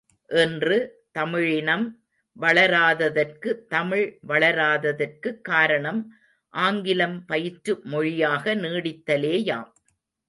இன்று தமிழினம் வளராததற்கு தமிழ் வளராததற்குக் காரணம் ஆங்கிலம் பயிற்று மொழியாக நீடித்தலேயாம்.